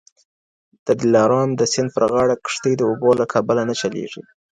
د دلارام د سیند پر غاړه کښتۍ د اوبو له کبله نه چلیږي.